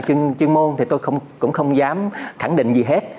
chuyên môn thì tôi cũng không dám khẳng định gì hết